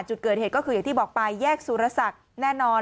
จุดเกิดเหตุก็คืออย่างที่บอกไปแยกสุรศักดิ์แน่นอน